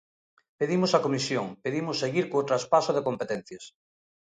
Pedimos a comisión, pedimos seguir co traspaso de competencias.